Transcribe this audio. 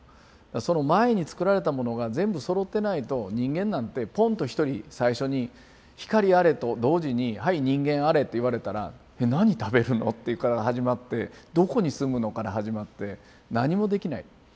その前につくられたものが全部そろってないと人間なんてポンと一人最初に「光あれ」と同時に「はい人間あれ」って言われたら何食べるの？っていうのから始まってどこに住むの？から始まって何もできない。